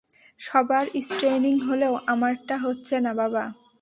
সবার ট্রেইনিং হলেও আমারটা হচ্ছে না, বাবা।